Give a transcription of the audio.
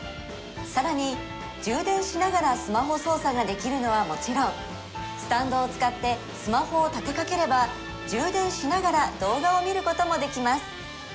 さらに充電しながらスマホ操作ができるのはもちろんスタンドを使ってスマホを立てかければ充電しながら動画を見ることもできます